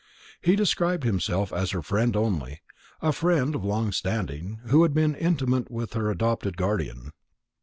He described himself as her friend only a friend of long standing, who had been intimate with her adopted guardian.